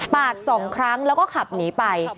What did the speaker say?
ปาด๒ครั้งแล้วก็ขับหนีไป